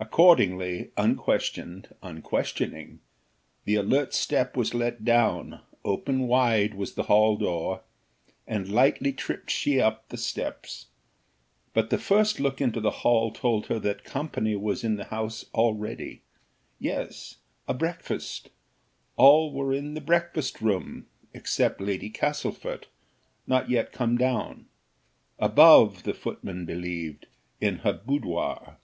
Accordingly, unquestioned, unquestioning, the alert step was let down, opened wide was the hall door, and lightly tripped she up the steps; but the first look into the hall told her that company was in the house already yes a breakfast all were in the breakfast room, except Lady Castlefort, not yet come down above, the footman believed, in her boudoir.